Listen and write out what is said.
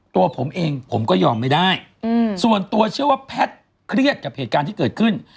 ตัวผมเองผมก็ยอมไม่ได้ส่วนตัวเชื่อว่าแพทย์เครียดกับเหตุการณ์ที่เกิดขึ้น